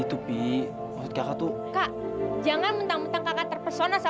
si wina tetep ngadain pestanya